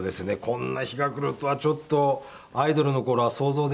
こんな日が来るとはちょっとアイドルの頃は想像できなかったですね。